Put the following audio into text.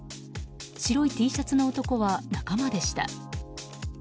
白いＴシャツの男は仲間でした。